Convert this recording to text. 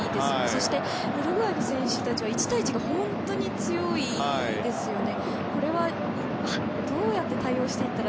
そしてウルグアイの選手たちは１対１が本当に強いですね。